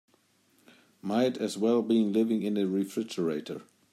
Might as well be living in a refrigerator.